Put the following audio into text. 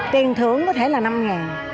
tiền thưởng có thể là năm ngàn